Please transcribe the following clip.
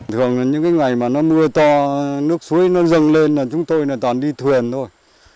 thường là những cái ngày mà nó mưa to nước suối nó dâng lên là chúng tôi là toàn đi thuyền thôi